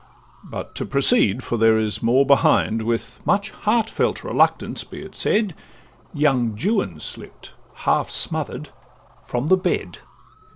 But to proceed—for there is more behind: With much heartfelt reluctance be it said, Young Juan slipp'd half smother'd, from the bed.